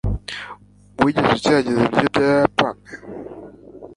wigeze ugerageza ibiryo byabayapani